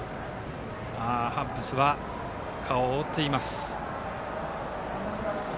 ハッブスは顔を覆っています。